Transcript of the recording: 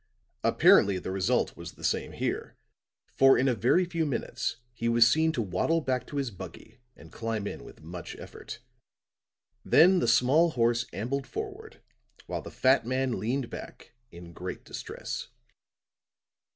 Apparently the result was the same here, for in a very few minutes he was seen to waddle back to his buggy and climb in with much effort. Then the small horse ambled forward while the fat man leaned back in great distress.